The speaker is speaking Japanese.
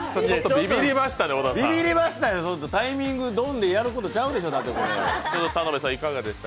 ビビリましたよ、タイミングどんでやることじゃないでしょ。